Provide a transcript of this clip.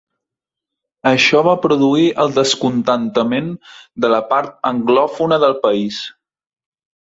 Això va produir el descontentament de la part anglòfona del país.